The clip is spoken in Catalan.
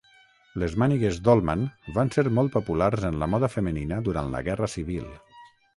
Les mànigues Dolman van ser molt populars en la moda femenina durant la guerra civil.